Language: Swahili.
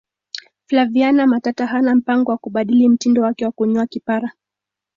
flaviana matata hana mpango wa kubadili mtindo wake wa kunyoa kipara